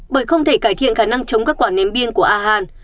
bởi không thể cải thiện khả năng chống các quả ném biên của a han